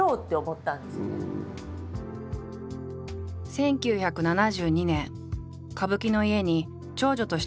１９７２年歌舞伎の家に長女として生まれた寺島。